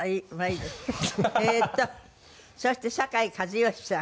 えーっとそして酒井一圭さん。